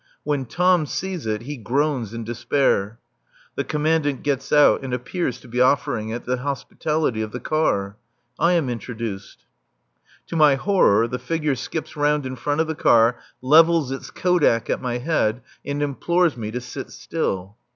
When Tom sees it he groans in despair. The Commandant gets out and appears to be offering it the hospitality of the car. I am introduced. To my horror the figure skips round in front of the car, levels its kodak at my head and implores me to sit still.